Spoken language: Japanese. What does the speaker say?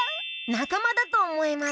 なかまだとおもえます。